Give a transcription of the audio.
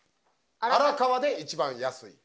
「荒川で一番安い」